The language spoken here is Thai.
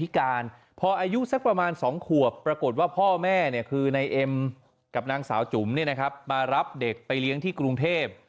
พิการพออายุสักประมาณ๒ขวบปรากฏว่าพ่อแม่คือนายเอ็มกับนางสาวจุ๋มมารับเด็กไปเลี้ยงที่กรุงเทพ